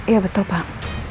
ya betul pak